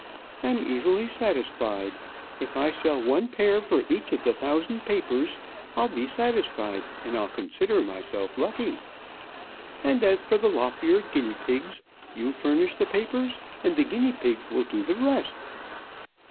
I'm easily satisfied. If I sell one pair for each of the thousand papers I'll be satisfied, and I'll consider myself lucky. And as for the lop eared guinea pigs you furnish the papers, and the guinea pigs will do the rest!"